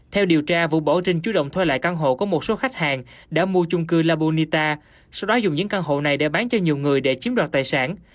theo điều tra vũ bỏ trinh chú động thuê lại căn hộ của một số khách hàng đã mua chung cư labonita sau đó dùng những căn hộ này để bán cho nhiều người để chiếm đoạt tài sản